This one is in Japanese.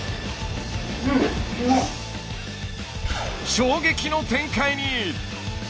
衝撃の展開に！